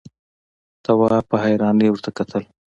تواب په حيرانۍ ورته کتل…